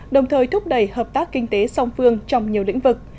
đồng thời thúc đẩy hợp tác kinh tế song phương trong nhiều lĩnh vực